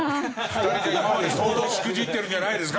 ２人じゃあ今まで相当しくじってるんじゃないんですか？